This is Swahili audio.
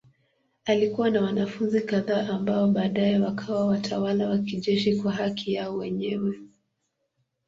Alikuwa na wanafunzi kadhaa ambao baadaye wakawa watawala wa kijeshi kwa haki yao wenyewe.